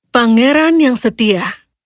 pangeran yang setia